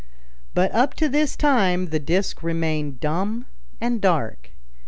But up to this time the disc remained dumb and dark.